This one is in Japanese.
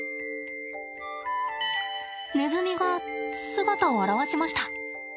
ネズミが姿を現しました。